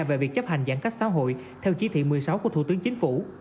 về việc chấp hành giãn cách xã hội theo chỉ thị một mươi sáu của thủ tướng chính phủ